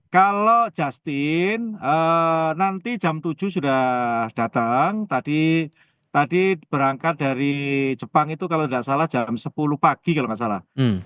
kalau justin nanti jam tujuh sudah datang tadi berangkat dari jepang itu kalau tidak salah jam sepuluh pagi kalau nggak salah